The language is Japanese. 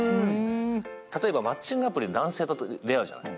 例えばマッチングアプリ、男性と出会うじゃない。